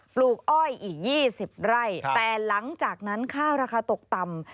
ลูกอ้อยอีก๒๐ไร่แต่หลังจากนั้นข้าวราคาตกต่ำ